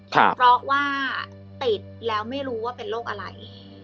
เพราะว่าติดแล้วไม่รู้ว่าเป็นโรคอะไร